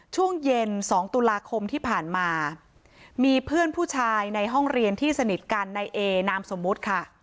ช่วงเย็น๒ตุลาคมที่ผ่านมามีเพื่อนผู้ชายในห้องเรียนที่สนิทกันในเอนามสมมุติค่ะ